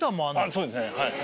そうですねはい。